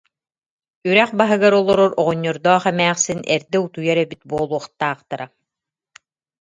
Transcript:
Үрэх баһыгар олорор оҕонньордоох эмээхсин эрдэ утуйар эбит буолуохтаахтара